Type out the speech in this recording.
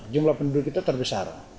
jumlah penduduk kita terbesar